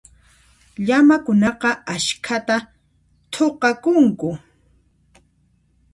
Llamakunaqa askhata thuqakunku.